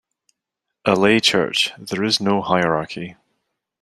A lay church, there is no hierarchy.